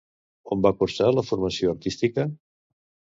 On va cursar la formació artística?